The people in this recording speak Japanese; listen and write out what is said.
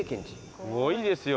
すごいですよ